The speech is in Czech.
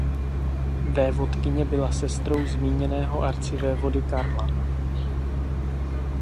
Vévodkyně byla sestrou zmíněného arcivévody Karla.